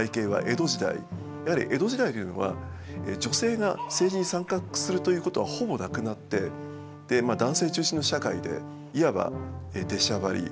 やはり江戸時代というのは女性が政治に参画するということはほぼなくなってまあ男性中心の社会でいわば出しゃばりとかですね